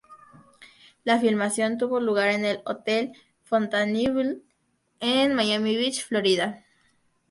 La filmación tuvo lugar en el Hotel Fontainebleau en Miami Beach, Florida.